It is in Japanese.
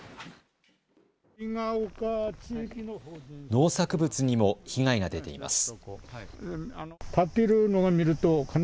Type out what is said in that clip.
農作物にも被害が出ています。